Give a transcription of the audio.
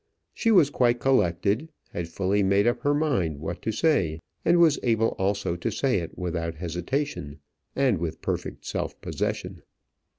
She was quite collected, had fully made up her mind what to say, and was able also to say it without hesitation, and with perfect self possession.